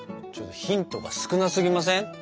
ちょっとヒントが少なすぎません？